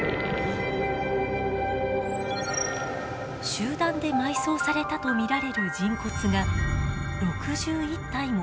集団で埋葬されたと見られる人骨が６１体も見つかりました。